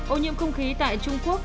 ô nhiễm không khí tại trung quốc